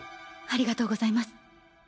ありがとうございます。